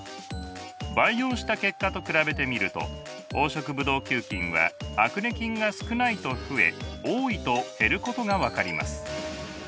培養した結果と比べてみると黄色ブドウ球菌はアクネ菌が少ないと増え多いと減ることが分かります。